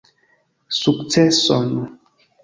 Sukceson!